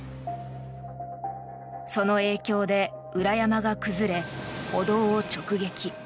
その影響で裏山が崩れお堂を直撃。